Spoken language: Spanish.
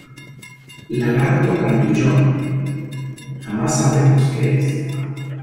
¡ Lagarto grandullón, jamás sabremos qué es!